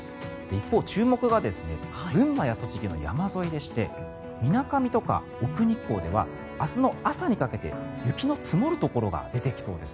一方、注目が群馬や栃木の山沿いでしてみなかみとか奥日光では明日の朝にかけて雪の積もるところが出てきそうです。